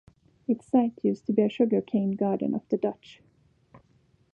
Its site used to be a sugarcane garden of the Dutch.